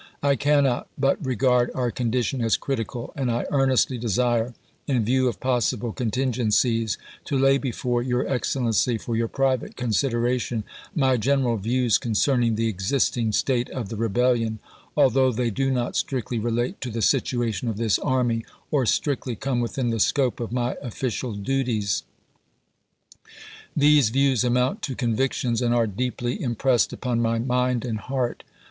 I cannot but regard our condition as critical, and I earnestly desire, in view of possible contingencies, to lay before your Excel lency, for your private consideration, my general views concerning the existing state of the rebellion, although they do not strictly relate to the situation of this army, or strictly come within the scope of my official duties. These views amount to convictions, and are deeply im pressed upon my mind and heart.